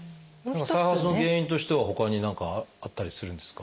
再発の原因としてはほかに何かあったりするんですか？